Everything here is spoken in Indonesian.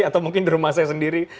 atau mungkin di rumah saya sendiri